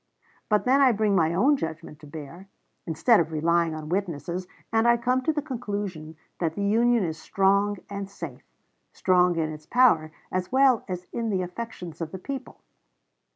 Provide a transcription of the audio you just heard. But then I bring my own judgment to bear, instead of relying on witnesses, and I come to the conclusion that the Union is strong and safe strong in its power as well as in the affections of the people."